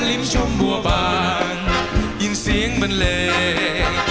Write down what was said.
ลิ้มจมปัวบานยินเสียงบรรเลง